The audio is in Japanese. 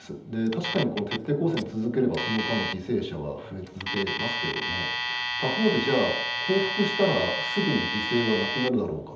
確かに徹底抗戦続ければその間、犠牲者は増え続けますけれども他方で降伏したらすぐに犠牲はなくなるだろうか。